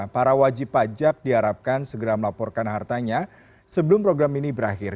para wajib pajak diharapkan segera melaporkan hartanya sebelum program ini berakhir